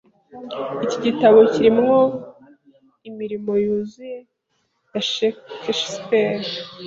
Iki gitabo kirimo imirimo yuzuye ya Shakespeare.